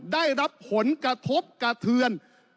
ได้รับผลกระทบกระเทือน